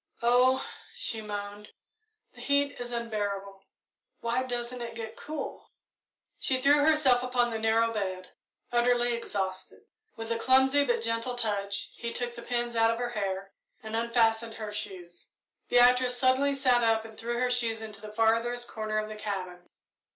"Oh!" she moaned, "the heat is unbearable why doesn't it get cool!" She threw herself upon the narrow bed, utterly exhausted. With a clumsy, but gentle touch, he took the pins out of her hair and unfastened her shoes. Beatrice suddenly sat up and threw her shoes into the farthest corner of the cabin.